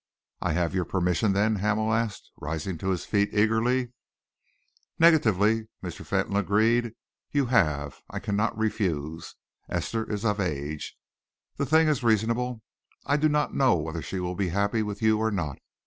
"I have your permission, then?" Hamel asked, rising to his feet eagerly. "Negatively," Mr. Fentolin agreed, "you have. I cannot refuse. Esther is of age; the thing is reasonable. I do not know whether she will be happy with you or not.